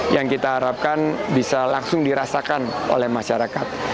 yang kita harapkan bisa langsung dirasakan oleh masyarakat